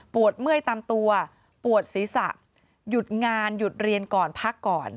เมื่อยตามตัวปวดศีรษะหยุดงานหยุดเรียนก่อนพักก่อน